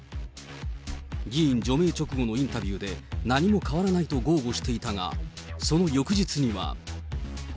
議員除名直後のインタビューで、何も変わらないと豪語していたが、その翌日には。